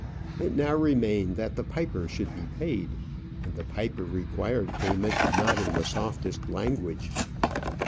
It now remained that the piper should be paid, and the piper required payment not in the softest language.